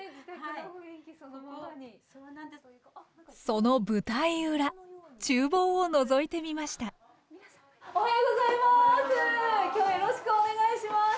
その舞台裏ちゅう房をのぞいてみましたおはようございます！